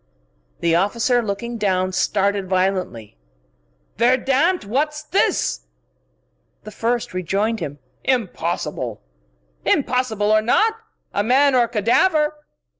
The other officer, looking down, started violently. "Verdammt! What's this?" The first rejoined him. "Impossible!" "Impossible or not a man or a cadaver!"